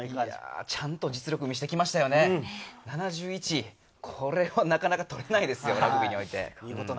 ちゃんと実力を見せてきましたね、７１、これはなかなか取れないですよ、ラグビーにおいて。